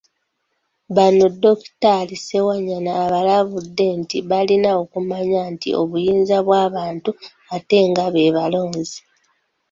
Bano Dokitaali Ssewanyana abalabudde nti balina okumanya nti obuyinza bw'abantu ate nga be balonzi.